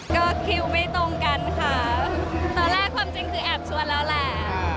ก็คิวไม่ตรงกันค่ะตอนแรกความจริงคือแอบชวนแล้วแหละ